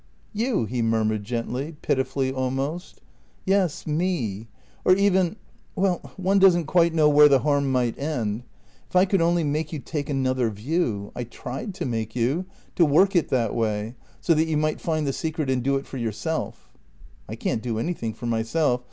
"You?" he murmured gently, pitifully almost. "Yes, me. Or even well, one doesn't quite know where the harm might end. If I could only make you take another view. I tried to make you to work it that way so that you might find the secret and do it for yourself." "I can't do anything for myself.